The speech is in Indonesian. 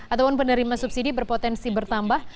ataupun penerima subsidi berpotensi bertambah